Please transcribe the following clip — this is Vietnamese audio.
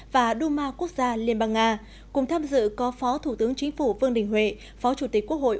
và duma quốc gia liên bang nga cùng tham dự có phó thủ tướng chính phủ vương đình huệ phó chủ tịch quốc hội